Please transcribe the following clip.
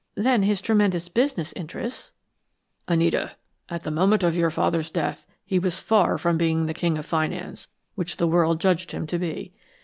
Then his tremendous business interests " "Anita, at the moment of your father's death he was far from being the King of Finance, which the world judged him to be.